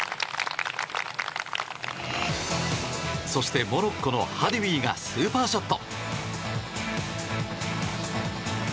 そしてモロッコのハディウィがスーパーショット。